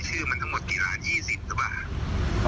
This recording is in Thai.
ชื่อมันทั้งหมดกี่ล้าน๒๐หรือเปล่า